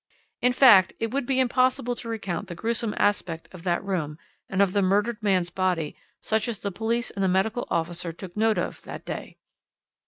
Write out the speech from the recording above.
In fact, it would be impossible to recount the gruesome aspect of that room and of the murdered man's body such as the police and the medical officer took note of that day.